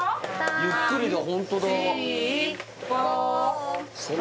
ゆっくりだホントだ４５６